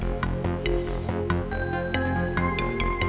terima kasih atas kerjasamanya